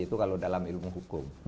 itu kalau dalam ilmu hukum